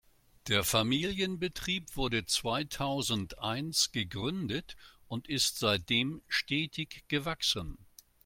Der Familienbetrieb wurde zweitausendeins gegründet und ist seitdem stetig gewachsen.